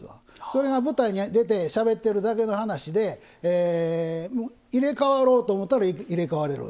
それが舞台に出てしゃべっているだけの話で入れ代わろうと思ったら入れ代われる。